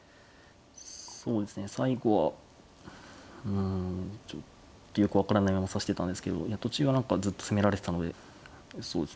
そうですね最後はうんちょっとよく分からないまま指してたんですけど途中は何かずっと攻められてたのでそうですね